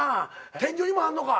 天井にもあるのか。